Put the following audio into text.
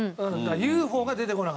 『ＵＦＯ』が出てこなかった。